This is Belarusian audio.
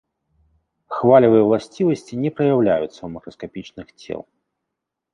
Хвалевыя ўласцівасці не праяўляюцца ў макраскапічных цел.